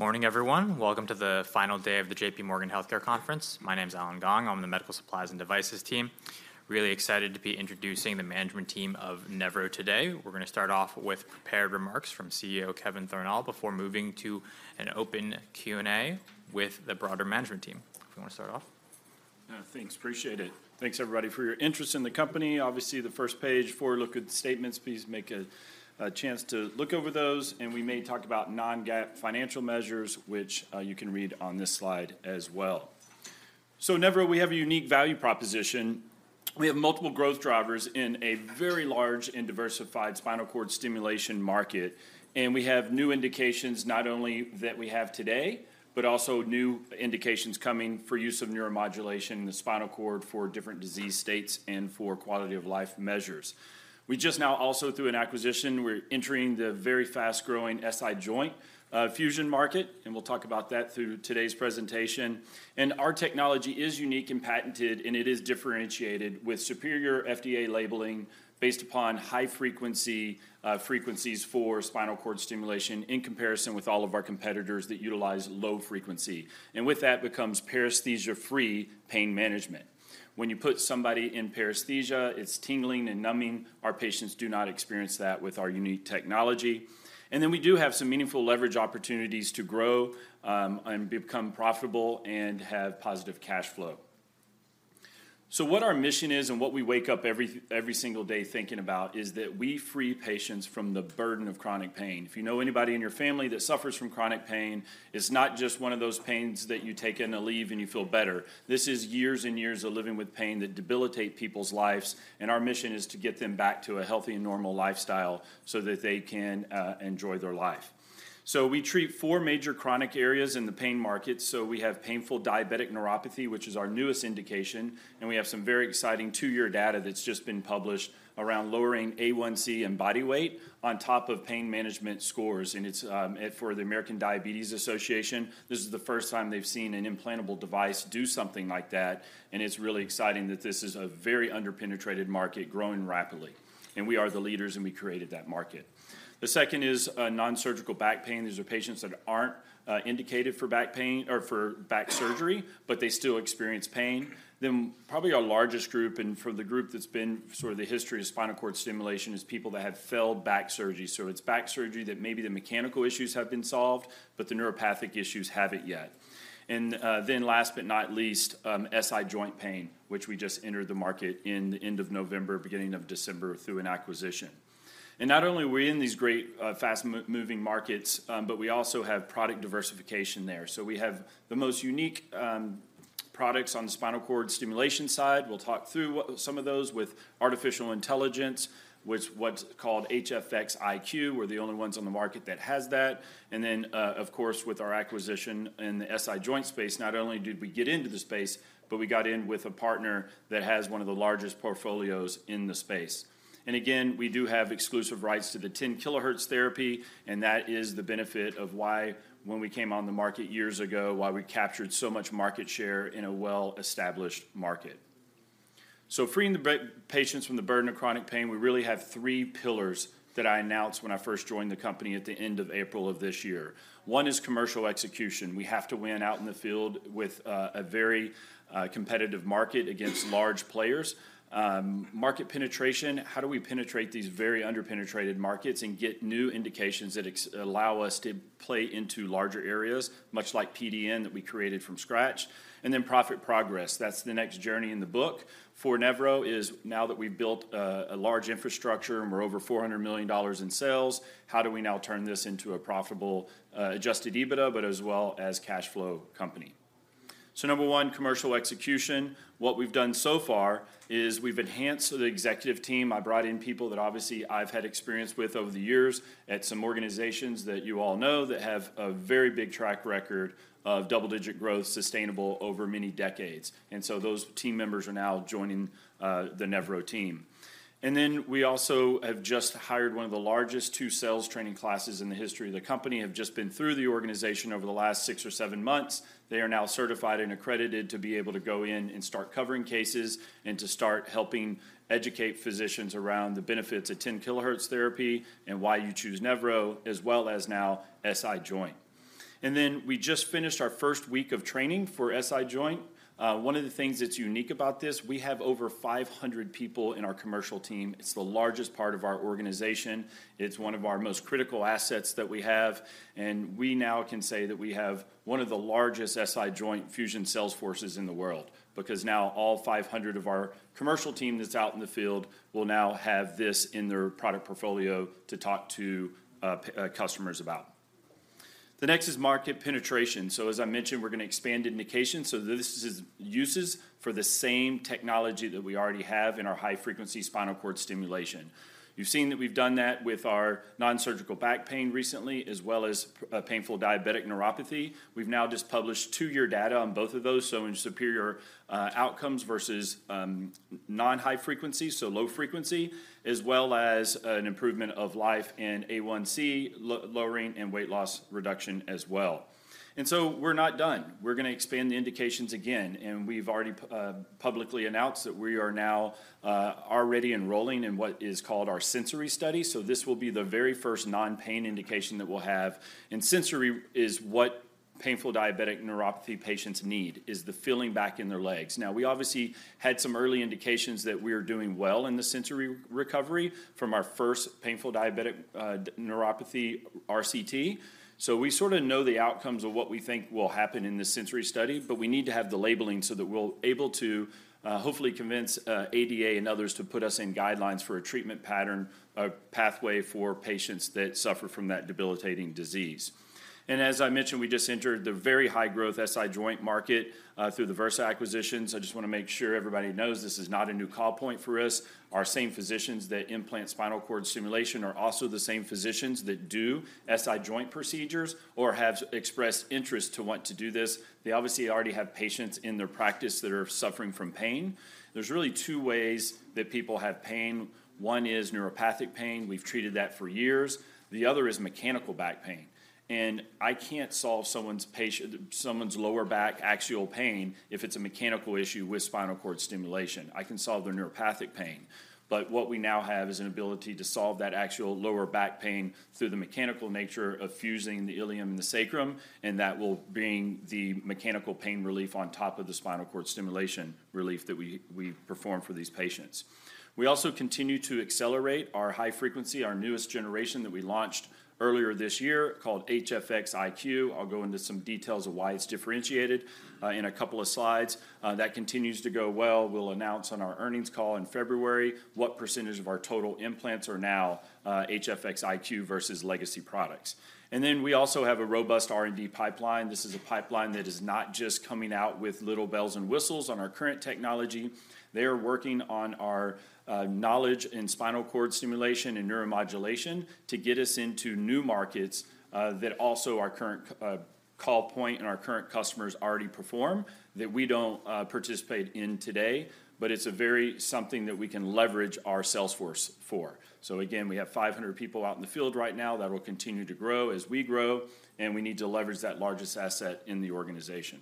Morning, everyone. Welcome to the final day of the J.P. Morgan Healthcare Conference. My name's Allen Gong. I'm on the Medical Supplies and Devices team. Really excited to be introducing the management team of Nevro today. We're gonna start off with prepared remarks from CEO Kevin Thornal, before moving to an open Q&A with the broader management team. If you wanna start off? Thanks. Appreciate it. Thanks, everybody, for your interest in the company. Obviously, the first page, forward-looking statements, please take a chance to look over those, and we may talk about non-GAAP financial measures, which, you can read on this slide as well. So Nevro, we have a unique value proposition. We have multiple growth drivers in a very large and diversified spinal cord stimulation market, and we have new indications, not only that we have today, but also new indications coming for use of neuromodulation in the spinal cord for different disease states and for quality-of-life measures. We just now also, through an acquisition, we're entering the very fast-growing SI joint fusion market, and we'll talk about that through today's presentation. Our technology is unique and patented, and it is differentiated with superior FDA labeling based upon high-frequency frequencies for spinal cord stimulation in comparison with all of our competitors that utilize low frequency, and with that comes paresthesia-free pain management. When you put somebody in paresthesia, it's tingling and numbing. Our patients do not experience that with our unique technology. And then we do have some meaningful leverage opportunities to grow and become profitable and have positive cash flow. So what our mission is and what we wake up every single day thinking about is that we free patients from the burden of chronic pain. If you know anybody in your family that suffers from chronic pain, it's not just one of those pains that you take an Aleve and you feel better. This is years and years of living with pain that debilitate people's lives, and our mission is to get them back to a healthy and normal lifestyle so that they can enjoy their life. We treat four major chronic areas in the pain market. We have painful diabetic neuropathy, which is our newest indication, and we have some very exciting two-year data that's just been published around lowering A1C and body weight on top of pain management scores, and it's for the American Diabetes Association, this is the first time they've seen an implantable device do something like that, and it's really exciting that this is a very under-penetrated market growing rapidly, and we are the leaders, and we created that market. The second is non-surgical back pain. These are patients that aren't indicated for back pain or for back surgery, but they still experience pain. Then probably our largest group, and for the group that's been sort of the history of spinal cord stimulation, is people that have failed back surgery. So it's back surgery that maybe the mechanical issues have been solved, but the neuropathic issues haven't yet. And then last but not least, SI joint pain, which we just entered the market in the end of November, beginning of December, through an acquisition. And not only are we in these great, fast-moving markets, but we also have product diversification there. So we have the most unique products on the spinal cord stimulation side. We'll talk through some of those with artificial intelligence, with what's called HFX iQ. We're the only ones on the market that has that. Then, of course, with our acquisition in the SI joint space, not only did we get into the space, but we got in with a partner that has one of the largest portfolios in the space. And again, we do have exclusive rights to the 10 kHz therapy, and that is the benefit of why, when we came on the market years ago, why we captured so much market share in a well-established market. So freeing the back patients from the burden of chronic pain, we really have three pillars that I announced when I first joined the company at the end of April of this year. One is commercial execution. We have to win out in the field with a very competitive market against large players. Market penetration, how do we penetrate these very under-penetrated markets and get new indications that allow us to play into larger areas, much like PDN that we created from scratch? And then profit progress, that's the next journey in the book for Nevro is, now that we've built, a large infrastructure, and we're over $400 million in sales, how do we now turn this into a profitable, adjusted EBITDA, but as well as cash flow company? So number one, commercial execution. What we've done so far is we've enhanced the executive team. I brought in people that obviously I've had experience with over the years at some organizations that you all know that have a very big track record of double-digit growth, sustainable over many decades. And so those team members are now joining, the Nevro team. And then we also have just hired one of the largest two sales training classes in the history of the company, have just been through the organization over the last 6 months or 7 months. They are now certified and accredited to be able to go in and start covering cases and to start helping educate physicians around the benefits of 10 kHz therapy and why you choose Nevro, as well as now SI joint. And then we just finished our first week of training for SI joint. One of the things that's unique about this, we have over 500 people in our commercial team. It's the largest part of our organization. It's one of our most critical assets that we have, and we now can say that we have one of the largest SI joint fusion sales forces in the world because now all 500 of our commercial team that's out in the field will now have this in their product portfolio to talk to customers about. The next is market penetration. So as I mentioned, we're gonna expand indications, so this is uses for the same technology that we already have in our high-frequency spinal cord stimulation. You've seen that we've done that with our non-surgical back pain recently, as well as painful diabetic neuropathy. We've now just published two-year data on both of those, showing superior outcomes versus non-high frequency, so low frequency, as well as an improvement of life in A1C lowering and weight loss reduction as well.... We're not done. We're gonna expand the indications again, and we've already publicly announced that we are now already enrolling in what is called our sensory study. So this will be the very first non-pain indication that we'll have, and sensory is what painful diabetic neuropathy patients need, is the feeling back in their legs. Now, we obviously had some early indications that we are doing well in the sensory recovery from our first painful diabetic neuropathy RCT. So we sort of know the outcomes of what we think will happen in this sensory study, but we need to have the labeling so that we're able to hopefully convince ADA and others to put us in guidelines for a treatment pattern, a pathway for patients that suffer from that debilitating disease. As I mentioned, we just entered the very high-growth SI joint market through the Vyrsa acquisitions. I just want to make sure everybody knows this is not a new call point for us. Our same physicians that implant spinal cord stimulation are also the same physicians that do SI joint procedures or have expressed interest to want to do this. They obviously already have patients in their practice that are suffering from pain. There's really two ways that people have pain. One is neuropathic pain. We've treated that for years. The other is mechanical back pain, and I can't solve someone's lower back axial pain if it's a mechanical issue with spinal cord stimulation. I can solve their neuropathic pain. But what we now have is an ability to solve that axial lower back pain through the mechanical nature of fusing the ilium and the sacrum, and that will bring the mechanical pain relief on top of the spinal cord stimulation relief that we perform for these patients. We also continue to accelerate our high frequency, our newest generation that we launched earlier this year, called HFX iQ. I'll go into some details of why it's differentiated in a couple of slides. That continues to go well. We'll announce on our earnings call in February what percentage of our total implants are now HFX iQ versus legacy products. And then we also have a robust R&D pipeline. This is a pipeline that is not just coming out with little bells and whistles on our current technology. They are working on our knowledge in spinal cord stimulation and neuromodulation to get us into new markets, that also our current call point and our current customers already perform, that we don't participate in today, but it's a very something that we can leverage our sales force for. So again, we have 500 people out in the field right now. That will continue to grow as we grow, and we need to leverage that largest asset in the organization.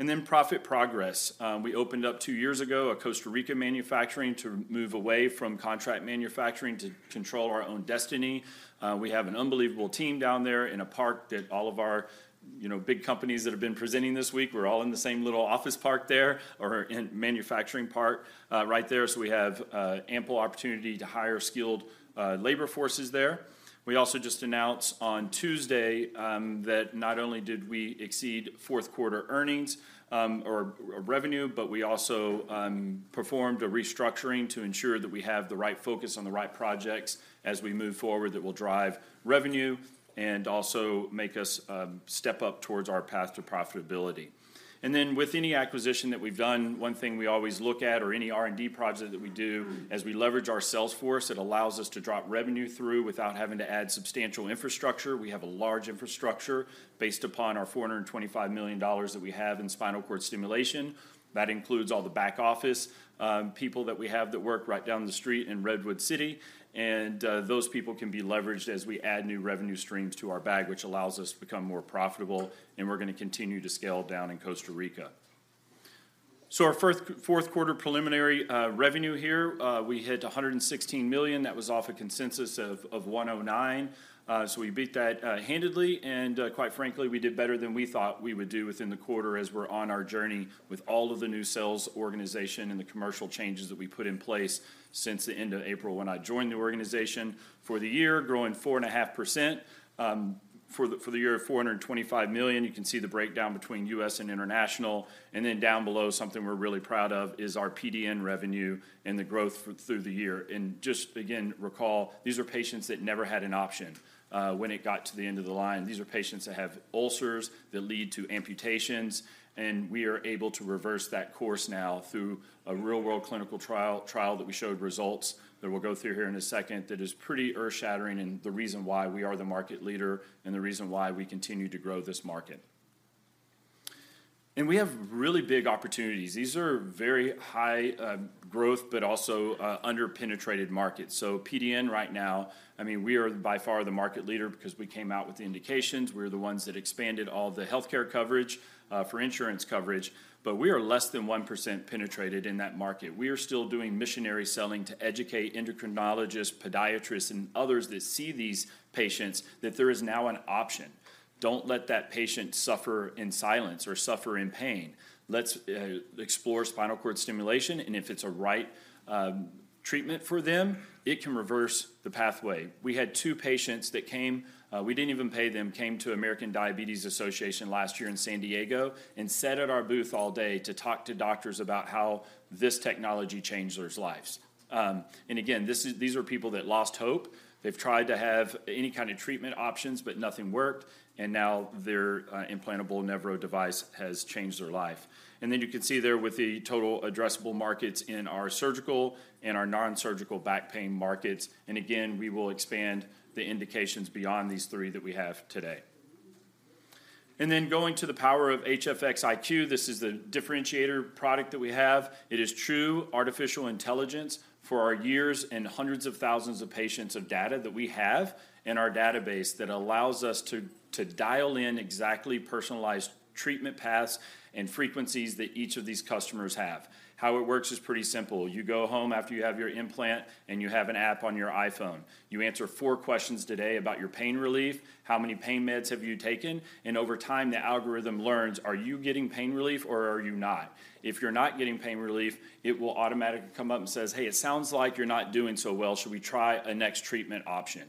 And then profit progress. We opened up two years ago, a Costa Rica manufacturing to move away from contract manufacturing to control our own destiny. We have an unbelievable team down there in a park that all of our, you know, big companies that have been presenting this week, we're all in the same little office park there or in manufacturing park, right there. So we have ample opportunity to hire skilled labor forces there. We also just announced on Tuesday that not only did we exceed fourth quarter earnings or revenue, but we also performed a restructuring to ensure that we have the right focus on the right projects as we move forward that will drive revenue and also make us step up towards our path to profitability. Then with any acquisition that we've done, one thing we always look at or any R&D project that we do, as we leverage our sales force, it allows us to drop revenue through without having to add substantial infrastructure. We have a large infrastructure based upon our $425 million that we have in spinal cord stimulation. That includes all the back office people that we have that work right down the street in Redwood City, and those people can be leveraged as we add new revenue streams to our bag, which allows us to become more profitable, and we're gonna continue to scale down in Costa Rica. Our fourth quarter preliminary revenue here, we hit $116 million. That was off a consensus of $109 million. So we beat that handedly, and quite frankly, we did better than we thought we would do within the quarter as we're on our journey with all of the new sales organization and the commercial changes that we put in place since the end of April, when I joined the organization. For the year, growing 4.5%, for the year, $425 million. You can see the breakdown between U.S. and international. And then down below, something we're really proud of is our PDN revenue and the growth through the year. And just again, recall, these are patients that never had an option, when it got to the end of the line. These are patients that have ulcers that lead to amputations, and we are able to reverse that course now through a real-world clinical trial that we showed results, that we'll go through here in a second, that is pretty earth-shattering and the reason why we are the market leader and the reason why we continue to grow this market. And we have really big opportunities. These are very high growth, but also under-penetrated markets. So PDN right now, I mean, we are by far the market leader because we came out with the indications. We're the ones that expanded all the healthcare coverage for insurance coverage, but we are less than 1% penetrated in that market. We are still doing missionary selling to educate endocrinologists, podiatrists, and others that see these patients, that there is now an option. Don't let that patient suffer in silence or suffer in pain. Let's explore spinal cord stimulation, and if it's a right treatment for them, it can reverse the pathway. We had two patients that came, we didn't even pay them, came to American Diabetes Association last year in San Diego and sat at our booth all day to talk to doctors about how this technology changed their lives. And again, this is, these are people that lost hope. They've tried to have any kind of treatment options, but nothing worked, and now their implantable Nevro device has changed their life. And then you can see there with the total addressable markets in our surgical and our non-surgical back pain markets, and again, we will expand the indications beyond these three that we have today. And then going to the power of HFX iQ, this is the differentiator product that we have. It is true artificial intelligence for our years and hundreds of thousands of patients of data that we have in our database that allows us to dial in exactly personalized treatment paths and frequencies that each of these customers have. How it works is pretty simple. You go home after you have your implant, and you have an app on your iPhone. You answer four questions today about your pain relief, how many pain meds have you taken, and over time, the algorithm learns, are you getting pain relief or are you not? If you're not getting pain relief, it will automatically come up and says, "Hey, it sounds like you're not doing so well. Should we try a next treatment option?"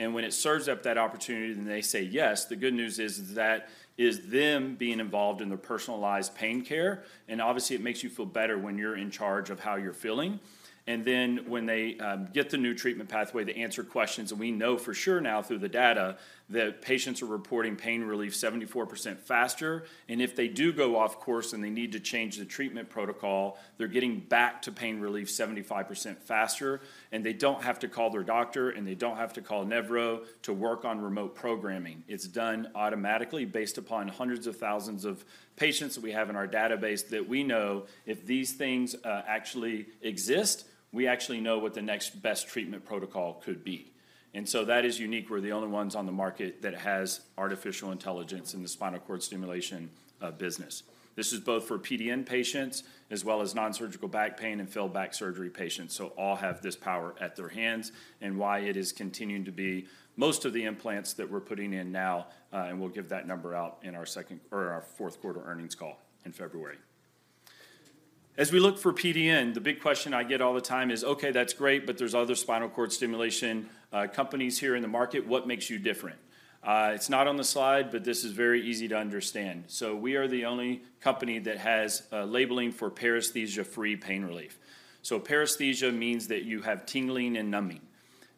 And when it serves up that opportunity, and they say yes, the good news is that is them being involved in their personalized pain care, and obviously, it makes you feel better when you're in charge of how you're feeling. And then when they get the new treatment pathway, they answer questions, and we know for sure now through the data that patients are reporting pain relief 74% faster, and if they do go off course, and they need to change the treatment protocol, they're getting back to pain relief 75% faster, and they don't have to call their doctor, and they don't have to call Nevro to work on remote programming. It's done automatically based upon hundreds of thousands of patients that we have in our database that we know if these things, actually exist, we actually know what the next best treatment protocol could be. And so that is unique. We're the only ones on the market that has artificial intelligence in the spinal cord stimulation business. This is both for PDN patients as well as non-surgical back pain and failed back surgery patients. So all have this power at their hands and why it is continuing to be most of the implants that we're putting in now, and we'll give that number out in our second-- or our fourth quarter earnings call in February. As we look for PDN, the big question I get all the time is, "Okay, that's great, but there's other spinal cord stimulation companies here in the market. What makes you different?" It's not on the slide, but this is very easy to understand. So we are the only company that has labeling for paresthesia-free pain relief. So paresthesia means that you have tingling and numbing.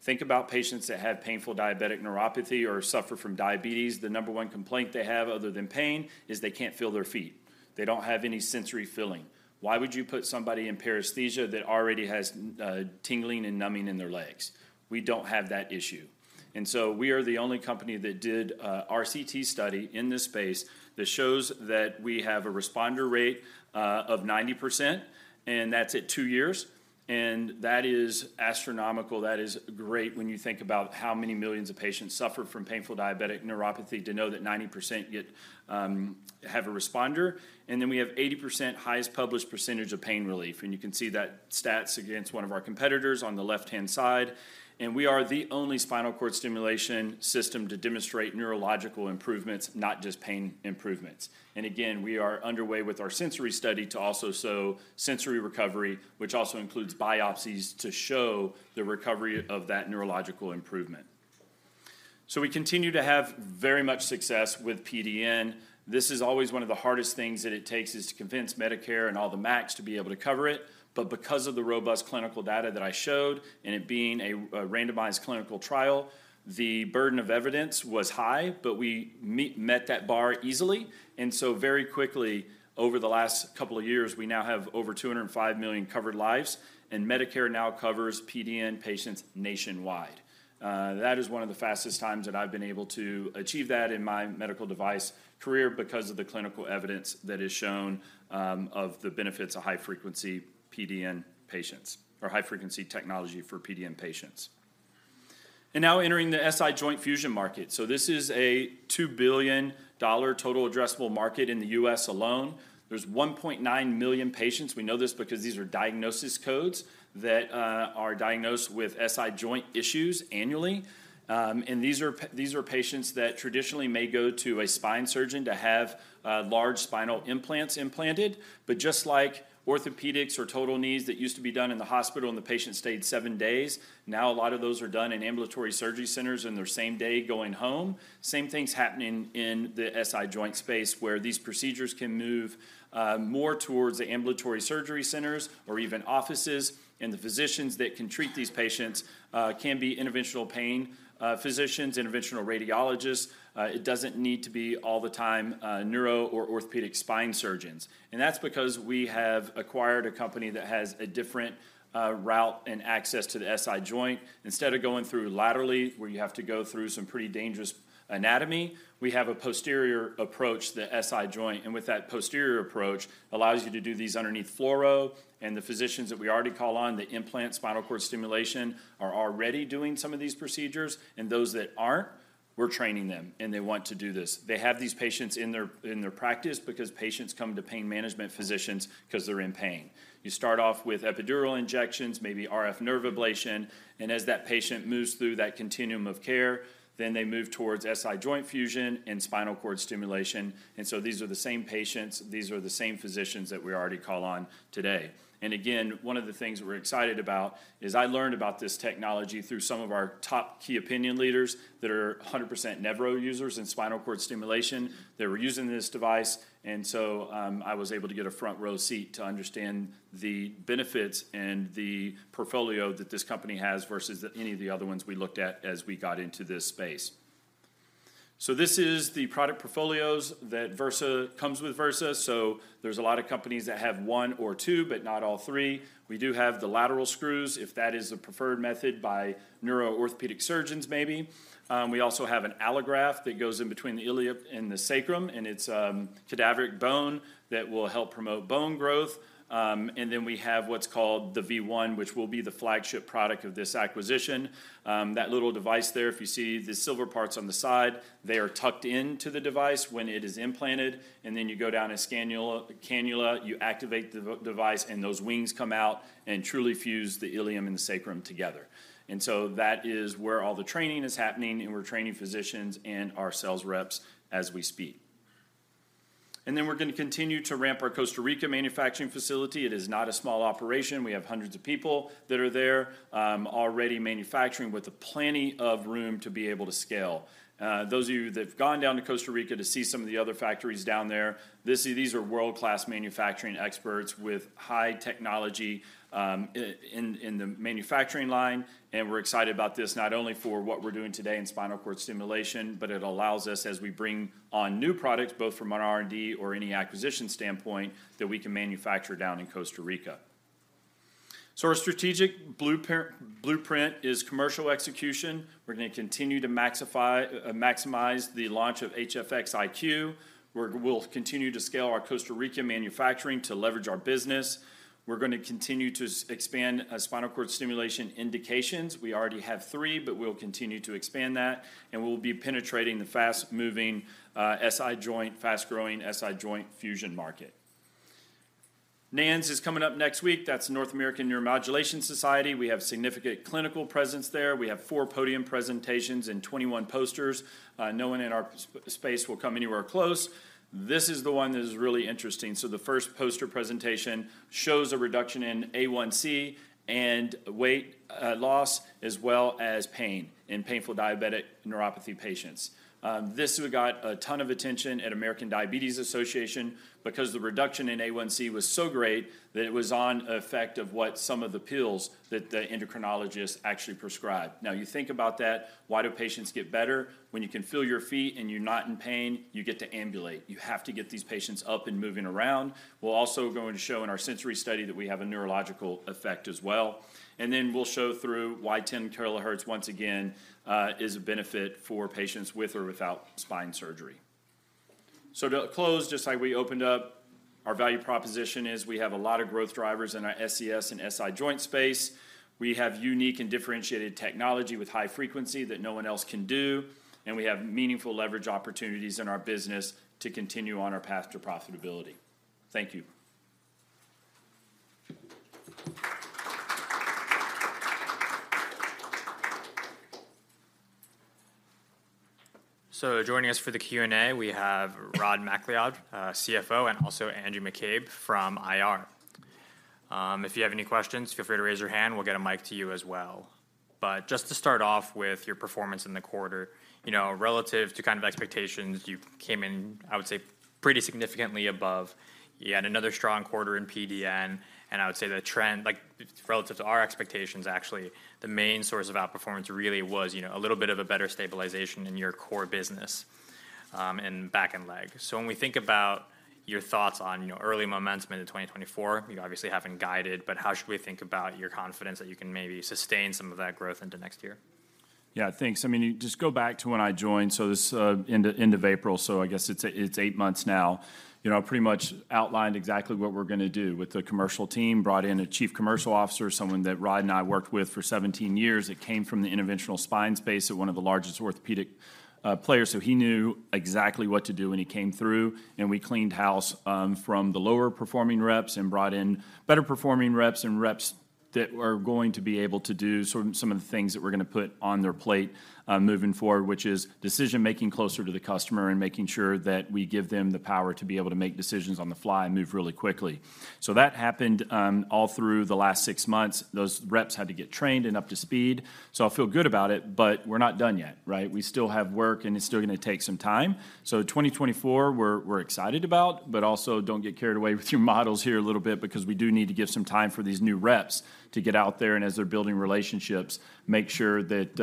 Think about patients that have painful diabetic neuropathy or suffer from diabetes. The number one complaint they have other than pain is they can't feel their feet. They don't have any sensory feeling. Why would you put somebody in paresthesia that already has tingling and numbing in their legs? We don't have that issue. And so we are the only company that did a RCT study in this space that shows that we have a responder rate of 90%, and that's at two years, and that is astronomical. That is great when you think about how many millions of patients suffer from painful diabetic neuropathy, to know that 90% have a responder. And then we have 80% highest published percentage of pain relief, and you can see that stats against one of our competitors on the left-hand side. And we are the only spinal cord stimulation system to demonstrate neurological improvements, not just pain improvements. And again, we are underway with our sensory study to also show sensory recovery, which also includes biopsies to show the recovery of that neurological improvement. So we continue to have very much success with PDN. This is always one of the hardest things that it takes, is to convince Medicare and all the MACs to be able to cover it. But because of the robust clinical data that I showed and it being a, a randomized clinical trial, the burden of evidence was high, but we met that bar easily. And so very quickly, over the last couple of years, we now have over 205 million covered lives, and Medicare now covers PDN patients nationwide. That is one of the fastest times that I've been able to achieve that in my medical device career because of the clinical evidence that is shown, of the benefits of high-frequency PDN patients or high-frequency technology for PDN patients. And now entering the SI joint fusion market. So this is a $2 billion total addressable market in the U.S. alone. There's 1.9 million patients. We know this because these are diagnosis codes that, are diagnosed with SI joint issues annually. And these are patients that traditionally may go to a spine surgeon to have large spinal implants implanted. But just like orthopedics or total knees that used to be done in the hospital, and the patient stayed seven days, now a lot of those are done in ambulatory surgery centers, and they're same day, going home. Same thing's happening in the SI joint space, where these procedures can move more towards the ambulatory surgery centers or even offices, and the physicians that can treat these patients can be interventional pain physicians, interventional radiologists. It doesn't need to be all the time neuro or orthopedic spine surgeons, and that's because we have acquired a company that has a different route and access to the SI joint. Instead of going through laterally, where you have to go through some pretty dangerous anatomy, we have a posterior approach to the SI joint, and with that posterior approach, allows you to do these underneath fluoro, and the physicians that we already call on to implant spinal cord stimulation are already doing some of these procedures, and those that aren't, we're training them, and they want to do this. They have these patients in their, in their practice because patients come to pain management physicians because they're in pain. You start off with epidural injections, maybe RF nerve ablation, and as that patient moves through that continuum of care, then they move towards SI joint fusion and spinal cord stimulation. And so these are the same patients, these are the same physicians that we already call on today. Again, one of the things we're excited about is I learned about this technology through some of our top key opinion leaders that are 100% Nevro users in spinal cord stimulation. They were using this device, and so, I was able to get a front-row seat to understand the benefits and the portfolio that this company has versus any of the other ones we looked at as we got into this space.... This is the product portfolios that Vyrsa comes with Vyrsa. So there's a lot of companies that have one or two, but not all three. We do have the lateral screws, if that is the preferred method by neuro-orthopedic surgeons, maybe. We also have an allograft that goes in between the ilium and the sacrum, and it's a cadaveric bone that will help promote bone growth. And then we have what's called the V1, which will be the flagship product of this acquisition. That little device there, if you see the silver parts on the side, they are tucked into the device when it is implanted, and then you go down a cannula, you activate the device, and those wings come out and truly fuse the ilium and the sacrum together. And so that is where all the training is happening, and we're training physicians and our sales reps as we speak. And then we're gonna continue to ramp our Costa Rica manufacturing facility. It is not a small operation. We have hundreds of people that are there, already manufacturing, with plenty of room to be able to scale. Those of you that have gone down to Costa Rica to see some of the other factories down there, these are world-class manufacturing experts with high technology in the manufacturing line. We're excited about this, not only for what we're doing today in spinal cord stimulation, but it allows us, as we bring on new products, both from our R&D or any acquisition standpoint, that we can manufacture down in Costa Rica. Our strategic blueprint is commercial execution. We're gonna continue to maximize the launch of HFX iQ. We'll continue to scale our Costa Rica manufacturing to leverage our business. We're gonna continue to expand our spinal cord stimulation indications. We already have three, but we'll continue to expand that, and we'll be penetrating the fast-moving SI joint, fast-growing SI joint fusion market. NANS is coming up next week. That's the North American Neuromodulation Society. We have significant clinical presence there. We have four podium presentations and 21 posters. No one in our space will come anywhere close. This is the one that is really interesting. So the first poster presentation shows a reduction in A1C and weight loss, as well as pain in painful diabetic neuropathy patients. This got a ton of attention at American Diabetes Association because the reduction in A1C was so great that it was on effect of what some of the pills that the endocrinologist actually prescribed. Now, you think about that. Why do patients get better? When you can feel your feet and you're not in pain, you get to ambulate. You have to get these patients up and moving around. We're also going to show in our sensory study that we have a neurological effect as well. And then we'll show through why 10 kHz, once again, is a benefit for patients with or without spine surgery. So to close, just like we opened up, our value proposition is we have a lot of growth drivers in our SCS and SI joint space. We have unique and differentiated technology with high frequency that no one else can do, and we have meaningful leverage opportunities in our business to continue on our path to profitability. Thank you. So joining us for the Q&A, we have Rod MacLeod, CFO, and also Angie McCabe from IR. If you have any questions, feel free to raise your hand. We'll get a mic to you as well. But just to start off with your performance in the quarter, you know, relative to kind of expectations, you came in, I would say, pretty significantly above. You had another strong quarter in PDN, and I would say the trend, like, relative to our expectations, actually, the main source of outperformance really was, you know, a little bit of a better stabilization in your core business in back and leg. So when we think about your thoughts on, you know, early momentum into 2024, you obviously haven't guided, but how should we think about your confidence that you can maybe sustain some of that growth into next year? Yeah, thanks. I mean, you just go back to when I joined, so this end of, end of April, so I guess it's eight months now. You know, I pretty much outlined exactly what we're gonna do with the commercial team, brought in a chief commercial officer, someone that Rod and I worked with for 17 years, that came from the interventional spine space at one of the largest orthopedic players. So he knew exactly what to do when he came through, and we cleaned house, from the lower-performing reps and brought in better-performing reps and reps that are going to be able to do sort of some of the things that we're gonna put on their plate, moving forward, which is decision-making closer to the customer and making sure that we give them the power to be able to make decisions on the fly and move really quickly. So that happened, all through the last six months. Those reps had to get trained and up to speed, so I feel good about it, but we're not done yet, right? We still have work, and it's still gonna take some time. So 2024, we're excited about, but also don't get carried away with your models here a little bit because we do need to give some time for these new reps to get out there, and as they're building relationships, make sure that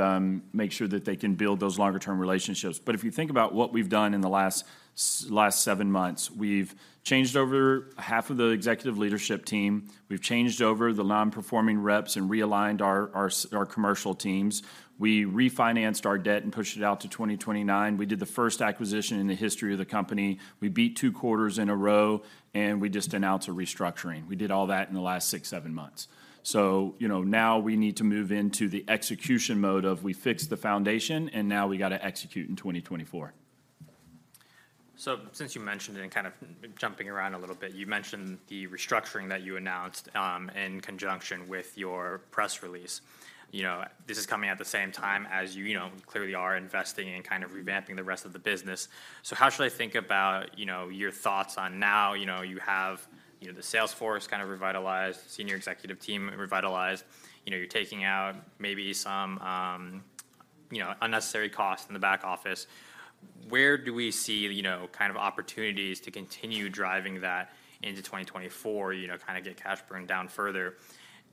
they can build those longer-term relationships. But if you think about what we've done in the last seven months, we've changed over half of the executive leadership team. We've changed over the non-performing reps and realigned our commercial teams. We refinanced our debt and pushed it out to 2029. We did the first acquisition in the history of the company. We beat two quarters in a row, and we just announced a restructuring. We did all that in the last six, seven months. So, you know, now we need to move into the execution mode of we fixed the foundation, and now we got to execute in 2024. So since you mentioned it, and kind of jumping around a little bit, you mentioned the restructuring that you announced in conjunction with your press release. You know, this is coming at the same time as you, you know, clearly are investing in kind of revamping the rest of the business. So how should I think about, you know, your thoughts on now, you know, you have, you know, the sales force kind of revitalized, senior executive team revitalized. You know, you're taking out maybe some, you know, unnecessary costs in the back office. Where do we see, you know, kind of opportunities to continue driving that into 2024, you know, kind of get cash burn down further,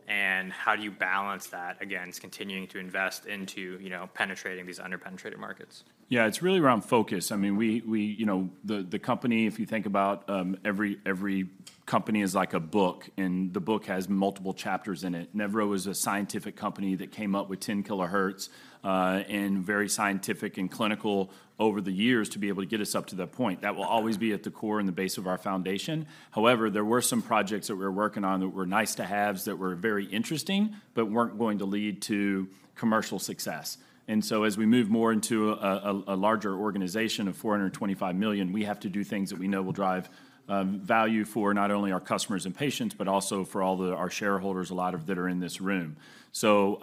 and how do you balance that against continuing to invest into, you know, penetrating these under-penetrated markets? Yeah, it's really around focus. I mean, we-- You know, the company, if you think about, every company is like a book, and the book has multiple chapters in it. Nevro is a scientific company that came up with 10 kHz, and very scientific and clinical over the years to be able to get us up to that point. That will always be at the core and the base of our foundation. However, there were some projects that we were working on that were nice-to-haves, that were very interesting, but weren't going to lead to commercial success. As we move more into a larger organization of $425 million, we have to do things that we know will drive value for not only our customers and patients, but also for all our shareholders, a lot of that are in this room. So,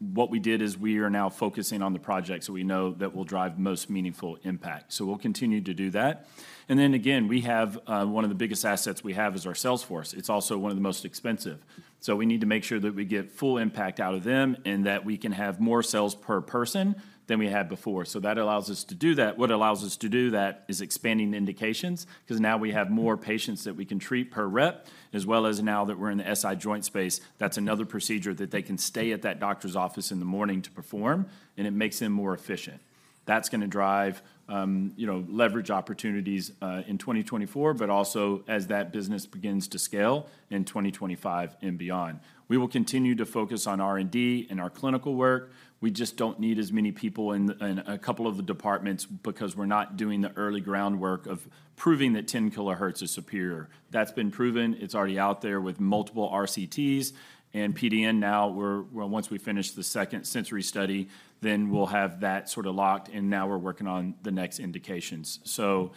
what we did is we are now focusing on the projects that we know that will drive the most meaningful impact. So we'll continue to do that. And then again, we have one of the biggest assets we have is our sales force. It's also one of the most expensive, so we need to make sure that we get full impact out of them, and that we can have more sales per person than we had before. So that allows us to do that. What allows us to do that is expanding the indications, 'cause now we have more patients that we can treat per rep, as well as now that we're in the SI joint space, that's another procedure that they can stay at that doctor's office in the morning to perform, and it makes them more efficient. That's gonna drive, you know, leverage opportunities in 2024, but also as that business begins to scale in 2025 and beyond. We will continue to focus on R&D and our clinical work. We just don't need as many people in a couple of the departments because we're not doing the early groundwork of proving that 10 kHz is superior. That's been proven. It's already out there with multiple RCTs and PDN. Now we're well, once we finish the second sensory study, then we'll have that sort of locked, and now we're working on the next indications. So,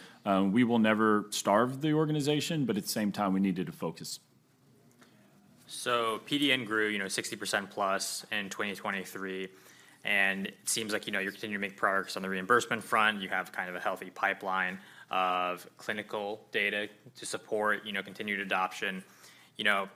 we will never starve the organization, but at the same time, we need to focus. So PDN grew, you know, 60%+ in 2023, and it seems like, you know, you're continuing to make progress on the reimbursement front. You have kind of a healthy pipeline of clinical data to support, you know, continued adoption. You know,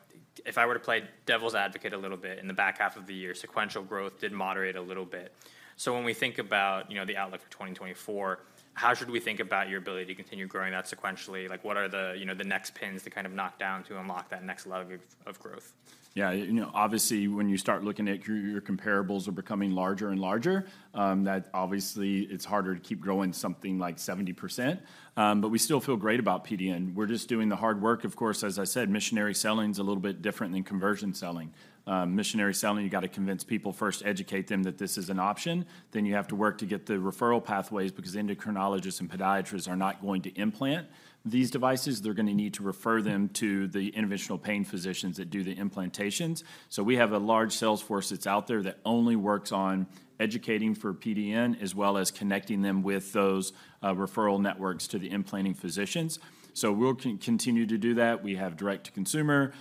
if I were to play devil's advocate a little bit, in the back half of the year, sequential growth did moderate a little bit. So when we think about, you know, the outlook for 2024, how should we think about your ability to continue growing that sequentially? Like, what are the, you know, the next pins to kind of knock down to unlock that next level of, of growth? Yeah, you know, obviously, when you start looking at your, your comparables are becoming larger and larger, that obviously it's harder to keep growing something like 70%. But we still feel great about PDN. We're just doing the hard work. Of course, as I said, missionary selling is a little bit different than conversion selling. Missionary selling, you've got to convince people first, educate them that this is an option. Then you have to work to get the referral pathways because endocrinologists and podiatrists are not going to implant these devices. They're gonna need to refer them to the interventional pain physicians that do the implantations. So we have a large sales force that's out there that only works on educating for PDN, as well as connecting them with those, referral networks to the implanting physicians. So we'll continue to do that. We have direct-to-consumer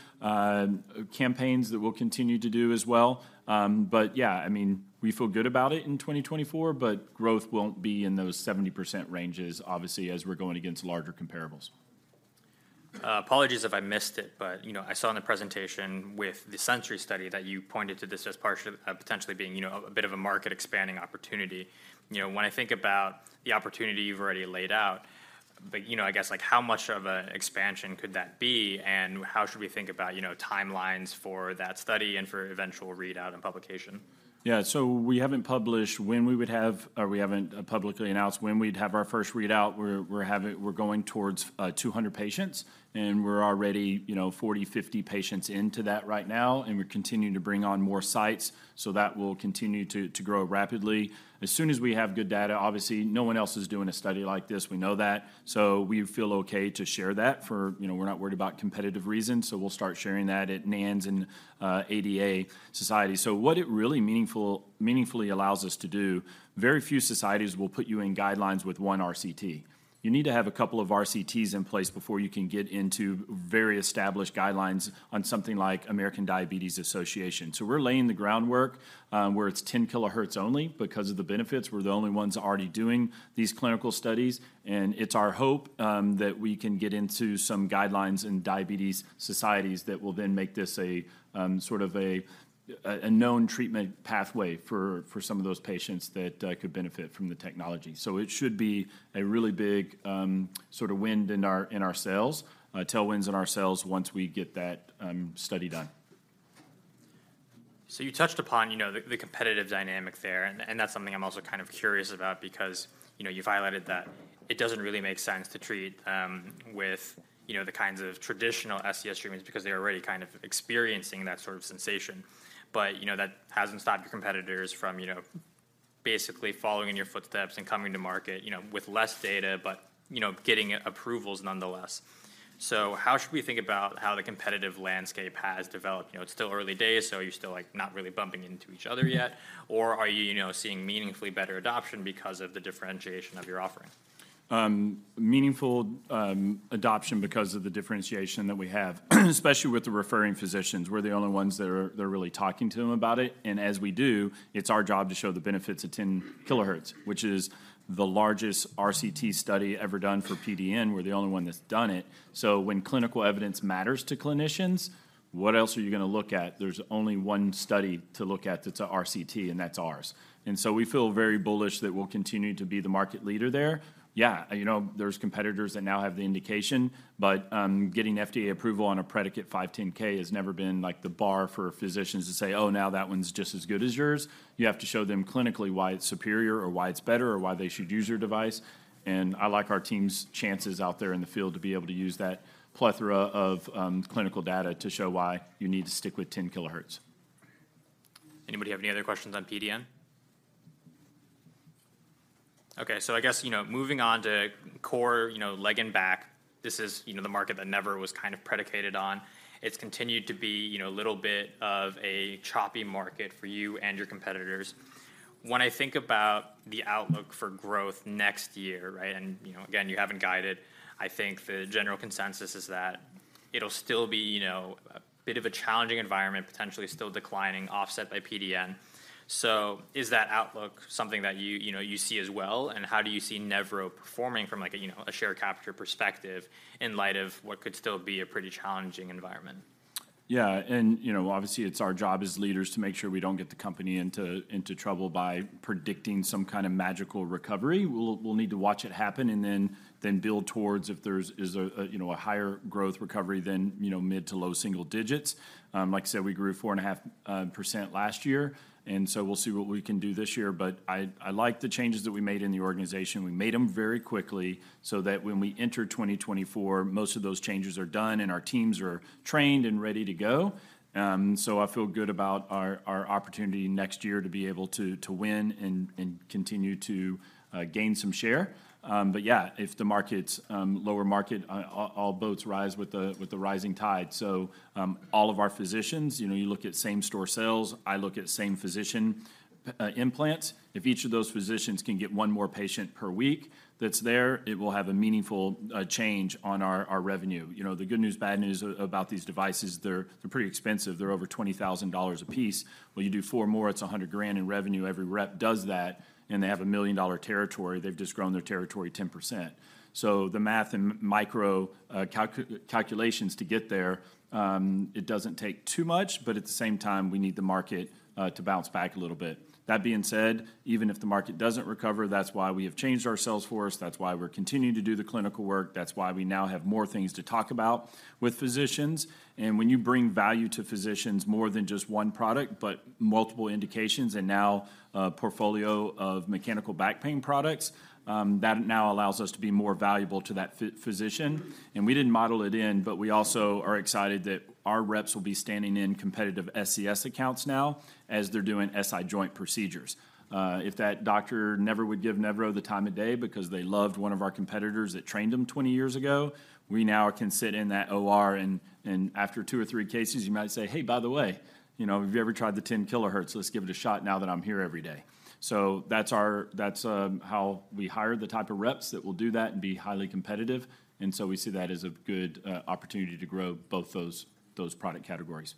campaigns that we'll continue to do as well. But yeah, I mean, we feel good about it in 2024, but growth won't be in those 70% ranges, obviously, as we're going against larger comparables. Apologies if I missed it, but, you know, I saw in the presentation with the sensory study that you pointed to this as part of, potentially being, you know, a bit of a market-expanding opportunity. You know, when I think about the opportunity you've already laid out, but, you know, I guess, like, how much of an expansion could that be, and how should we think about, you know, timelines for that study and for eventual readout and publication? Yeah. So we haven't published when we would have or we haven't publicly announced when we'd have our first readout. We're having. We're going towards 200 patients, and we're already, you know, 40, 50 patients into that right now, and we're continuing to bring on more sites, so that will continue to grow rapidly. As soon as we have good data, obviously, no one else is doing a study like this. We know that, so we feel okay to share that, for, you know, we're not worried about competitive reasons, so we'll start sharing that at NANS and ADA Society. So what it really meaningfully allows us to do, very few societies will put you in guidelines with one RCT. You need to have a couple of RCTs in place before you can get into very established guidelines on something like American Diabetes Association. We're laying the groundwork, where it's 10 kHz only because of the benefits. We're the only ones already doing these clinical studies, and it's our hope that we can get into some guidelines in diabetes societies that will then make this a sort of a known treatment pathway for some of those patients that could benefit from the technology. It should be a really big sort of wind in our sails, tailwinds in our sails once we get that study done. So you touched upon, you know, the competitive dynamic there, and that's something I'm also kind of curious about because, you know, you've highlighted that it doesn't really make sense to treat with, you know, the kinds of traditional SCS treatments because they're already kind of experiencing that sort of sensation. But, you know, that hasn't stopped your competitors from, you know, basically following in your footsteps and coming to market, you know, with less data but, you know, getting approvals nonetheless. So how should we think about how the competitive landscape has developed? You know, it's still early days, so are you still, like, not really bumping into each other yet, or are you, you know, seeing meaningfully better adoption because of the differentiation of your offering? Meaningful adoption because of the differentiation that we have, especially with the referring physicians. We're the only ones that are really talking to them about it, and as we do, it's our job to show the benefits of 10 kHz, which is the largest RCT study ever done for PDN. We're the only one that's done it. So when clinical evidence matters to clinicians, what else are you gonna look at? There's only one study to look at that's a RCT, and that's ours. And so we feel very bullish that we'll continue to be the market leader there. Yeah, you know, there's competitors that now have the indication, but, getting FDA approval on a predicate 510(k) has never been, like, the bar for physicians to say, "Oh, now that one's just as good as yours." You have to show them clinically why it's superior or why it's better or why they should use your device, and I like our team's chances out there in the field to be able to use that plethora of clinical data to show why you need to stick with 10 kHz.... Anybody have any other questions on PDN? Okay, so I guess, you know, moving on to core, you know, leg and back, this is, you know, the market that Nevro was kind of predicated on. It's continued to be, you know, a little bit of a choppy market for you and your competitors. When I think about the outlook for growth next year, right? And, you know, again, you haven't guided, I think the general consensus is that it'll still be, you know, a bit of a challenging environment, potentially still declining, offset by PDN. So is that outlook something that you, you know, you see as well? And how do you see Nevro performing from, like, a, you know, a share capture perspective, in light of what could still be a pretty challenging environment? Yeah, and, you know, obviously, it's our job as leaders to make sure we don't get the company into, into trouble by predicting some kind of magical recovery. We'll, we'll need to watch it happen and then, then build towards if there's, is a, a, you know, a higher growth recovery than, you know, mid- to low-single-digits. Like I said, we grew 4.5% last year, and so we'll see what we can do this year. But I, I like the changes that we made in the organization. We made them very quickly so that when we enter 2024, most of those changes are done, and our teams are trained and ready to go. So I feel good about our, our opportunity next year to be able to, to win and, and continue to gain some share. But yeah, if the market's lower market, all boats rise with the rising tide. So, all of our physicians, you know, you look at same-store sales, I look at same-physician implants. If each of those physicians can get one more patient per week that's there, it will have a meaningful change on our revenue. You know, the good news, bad news about these devices, they're pretty expensive. They're over $20,000 apiece. Well, you do four more, it's $100,000 in revenue. Every rep does that, and they have a million-dollar territory. They've just grown their territory 10%. So the math and micro calculations to get there, it doesn't take too much, but at the same time, we need the market to bounce back a little bit. That being said, even if the market doesn't recover, that's why we have changed our sales force, that's why we're continuing to do the clinical work, that's why we now have more things to talk about with physicians. And when you bring value to physicians, more than just one product, but multiple indications, and now a portfolio of mechanical back pain products, that now allows us to be more valuable to that physician. And we didn't model it in, but we also are excited that our reps will be standing in competitive SCS accounts now, as they're doing SI joint procedures. If that doctor never would give Nevro the time of day because they loved one of our competitors that trained them 20 years ago, we now can sit in that OR, and after 2 or 3 cases, you might say, "Hey, by the way, you know, have you ever tried the 10 kHz? Let's give it a shot now that I'm here every day." So that's our, that's how we hire the type of reps that will do that and be highly competitive, and so we see that as a good opportunity to grow both those product categories.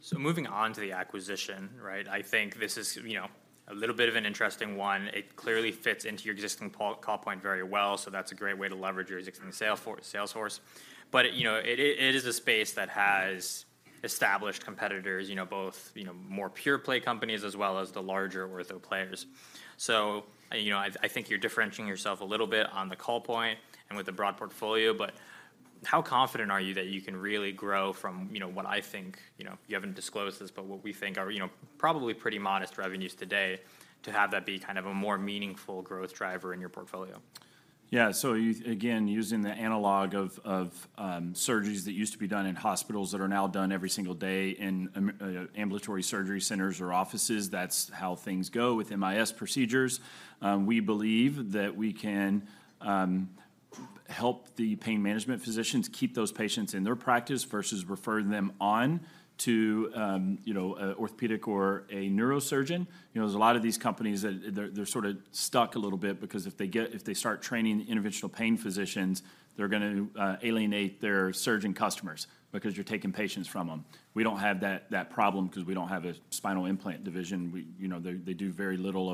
So moving on to the acquisition, right? I think this is, you know, a little bit of an interesting one. It clearly fits into your existing call point very well, so that's a great way to leverage your existing sales force. But, you know, it is a space that has established competitors, you know, both, you know, more pure play companies as well as the larger ortho players. So, you know, I think you're differentiating yourself a little bit on the call point and with the broad portfolio, but how confident are you that you can really grow from, you know, what I think, you know, you haven't disclosed this, but what we think are, you know, probably pretty modest revenues today, to have that be kind of a more meaningful growth driver in your portfolio? Yeah. So you—again, using the analog of surgeries that used to be done in hospitals that are now done every single day in ambulatory surgery centers or offices, that's how things go with MIS procedures. We believe that we can help the pain management physicians keep those patients in their practice versus referring them on to, you know, a orthopedic or a neurosurgeon. You know, there's a lot of these companies that they're sort of stuck a little bit because if they start training interventional pain physicians, they're gonna alienate their surgeon customers because you're taking patients from them. We don't have that problem 'cause we don't have a spinal implant division. You know, they do very little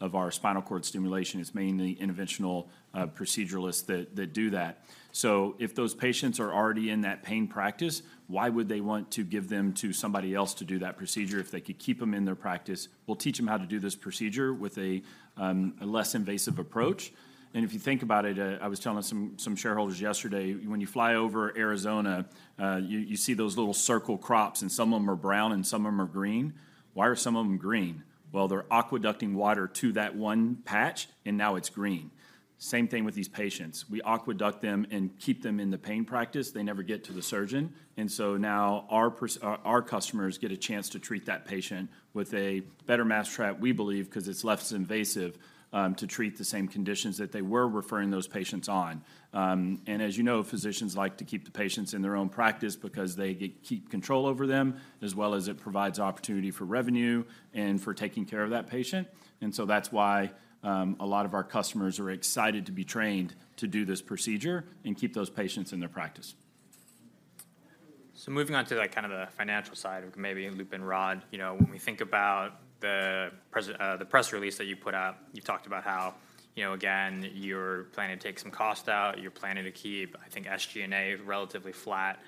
of our spinal cord stimulation. It's mainly interventional proceduralists that do that. So if those patients are already in that pain practice, why would they want to give them to somebody else to do that procedure if they could keep them in their practice? We'll teach them how to do this procedure with a less invasive approach. And if you think about it, I was telling some shareholders yesterday, when you fly over Arizona, you see those little circle crops, and some of them are brown, and some of them are green. Why are some of them green? Well, they're aqueducting water to that one patch, and now it's green. Same thing with these patients. We aqueduct them and keep them in the pain practice. They never get to the surgeon. And so now, our customers get a chance to treat that patient with a better mousetrap, we believe, 'cause it's less invasive, to treat the same conditions that they were referring those patients on. And as you know, physicians like to keep the patients in their own practice because they keep control over them, as well as it provides opportunity for revenue and for taking care of that patient. And so that's why, a lot of our customers are excited to be trained to do this procedure and keep those patients in their practice. So moving on to, like, kind of the financial side, maybe looping Rod. You know, when we think about the press release that you put out, you talked about how, you know, again, you're planning to take some cost out, you're planning to keep, I think, SG&A relatively flat,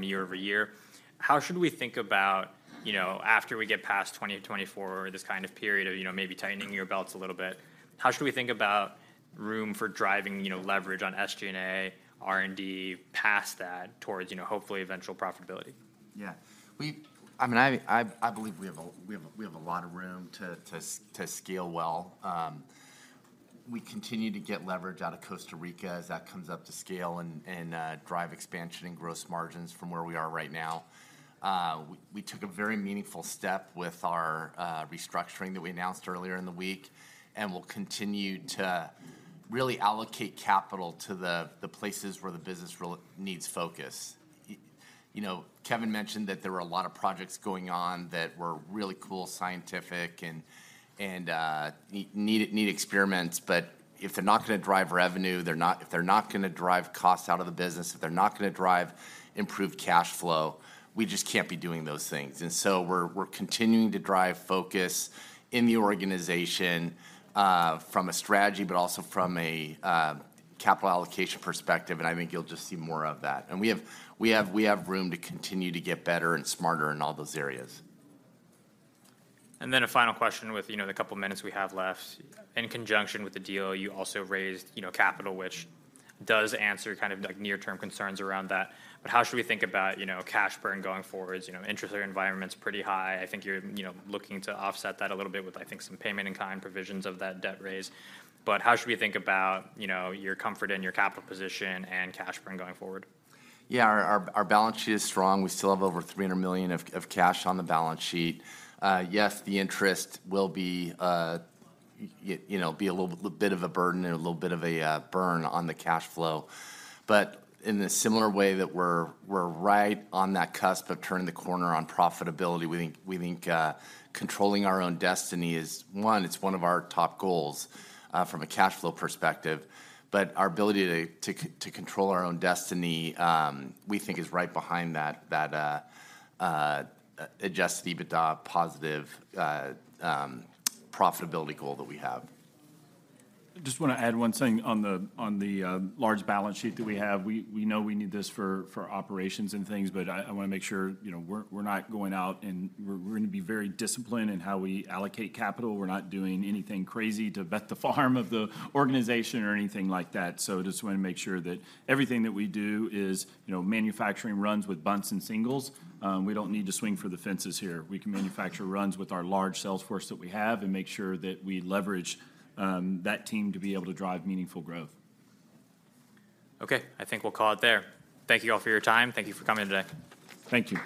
year-over-year. How should we think about, you know, after we get past 2024, this kind of period of, you know, maybe tightening your belts a little bit, how should we think about room for driving, you know, leverage on SG&A, R&D, past that towards, you know, hopefully eventual profitability? Yeah. I mean, I believe we have a lot of room to scale well. We continue to get leverage out of Costa Rica as that comes up to scale and drive expansion and gross margins from where we are right now. We took a very meaningful step with our restructuring that we announced earlier in the week, and we'll continue to really allocate capital to the places where the business really needs focus. You know, Kevin mentioned that there were a lot of projects going on that were really cool, scientific, and needed experiments, but if they're not gonna drive revenue, if they're not gonna drive costs out of the business, if they're not gonna drive improved cash flow, we just can't be doing those things. And so we're continuing to drive focus in the organization from a strategy, but also from a capital allocation perspective, and I think you'll just see more of that. And we have room to continue to get better and smarter in all those areas. And then a final question with, you know, the couple minutes we have left. In conjunction with the deal, you also raised, you know, capital, which does answer kind of, like, near-term concerns around that. But how should we think about, you know, cash burn going forward? You know, interest rate environment's pretty high. I think you're, you know, looking to offset that a little bit with, I think, some payment in-kind provisions of that debt raise. But how should we think about, you know, your comfort in your capital position and cash burn going forward? Yeah, our balance sheet is strong. We still have over $300 million of cash on the balance sheet. Yes, the interest will be, you know, be a little bit of a burden and a little bit of a burn on the cash flow. But in a similar way that we're right on that cusp of turning the corner on profitability, we think controlling our own destiny is one, it's one of our top goals from a cash flow perspective. But our ability to control our own destiny, we think is right behind that Adjusted EBITDA positive profitability goal that we have. I just wanna add one thing on the large balance sheet that we have. We know we need this for operations and things, but I wanna make sure, you know, we're not going out, and we're gonna be very disciplined in how we allocate capital. We're not doing anything crazy to bet the farm of the organization or anything like that. So just wanna make sure that everything that we do is, you know, manufacturing runs with bunts and singles. We don't need to swing for the fences here. We can manufacture runs with our large sales force that we have and make sure that we leverage that team to be able to drive meaningful growth. Okay, I think we'll call it there. Thank you all for your time. Thank you for coming in today. Thank you.